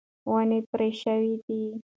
ونې پرې شوې دي.